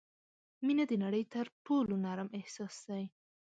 • مینه د نړۍ تر ټولو نرم احساس دی.